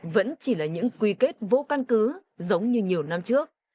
vẫn chỉ là những quy kết vô căn cứ giống như nhiều năm trước